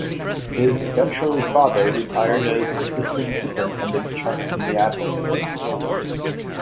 His eventually father retired as Assistant Superintendent Charts in the Admiralty.